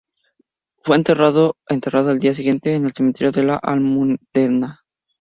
Fue enterrada al día siguiente en el Cementerio de La Almudena.